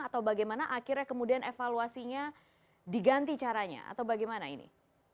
atau bagaimana akhirnya kemudian evaluasinya diganti caranya atau bagaimana ini